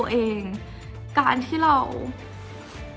จนดิวไม่แน่ใจว่าความรักที่ดิวได้รักมันคืออะไร